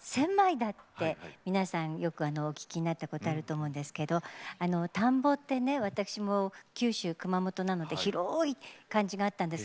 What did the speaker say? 千枚田って皆さんよくお聞きになったことあると思うんですけど田んぼってね、私も九州・熊本なので広い感じがあったんですけど。